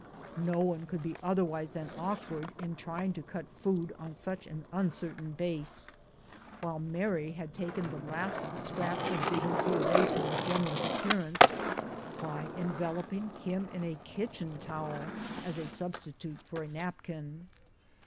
No one could be otherwise than awkward in trying to cut food on such an uncertain base, while Mary had taken the last scrap of dignity away from the generaFs appearance by enveloping him in a kitchen towel as a substitute for a napkin.